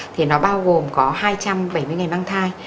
thì nó bao gồm có hai trăm bảy mươi người mang thai